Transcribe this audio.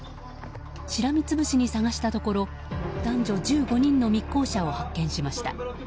しらみつぶしに捜したところ男女１５人の密航者を発見しました。